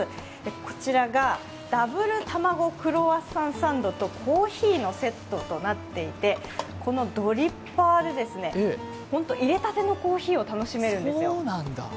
こちらがＷたまごクロワッサンサンドとコーヒーのセットとなっていて、このドリッパーでいれたてのコーヒーを楽しめるんですよ。